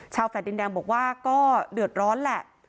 แฟลตดินแดงบอกว่าก็เดือดร้อนแหละ